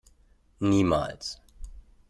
Niemals!